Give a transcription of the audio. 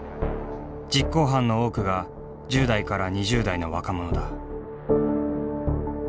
実行犯の多くが１０代から２０代の若者だ。